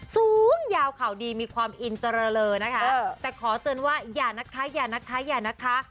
สูงยาวข่าวดีมีความอินเจริญนะคะแต่ขอเตือนว่าอย่านะคะอย่านะคะอย่านะคะ